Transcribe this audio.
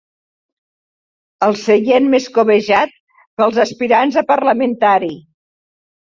El seient més cobejat pels aspirants a parlamentari.